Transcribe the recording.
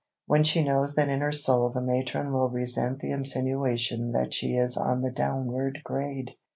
when she knows that in her soul the matron will resent the insinuation that she is on the downward grade.